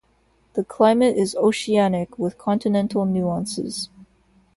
The climate is oceanic with continental nuances.